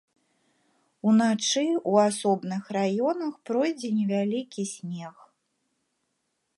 Уначы ў асобных раёнах пройдзе невялікі снег.